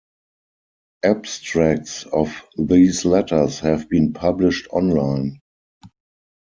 Abstracts of these letters have been published on line.